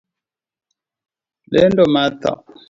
Lendo mar thoo